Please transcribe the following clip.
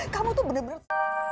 kamu tuh bener bener